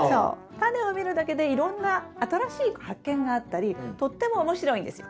タネを見るだけでいろんな新しい発見があったりとっても面白いんですよ。